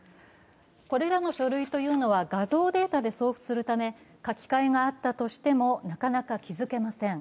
これらの書類というのは画像データで送付するため書き換えがあったとしてもなかなか気付けません。